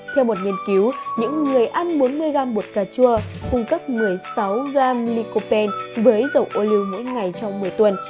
theo một nghiên cứu những người ăn bốn mươi g bột cà chua cùng cấp một mươi sáu g lycopene với dầu ô lưu mỗi ngày trong một mươi tuần